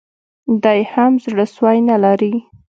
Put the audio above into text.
دی هم زړه سوی نه لري